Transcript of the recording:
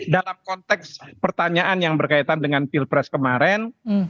dalam konteks pertanyaan yang berkaitan dengan pilpres kemarin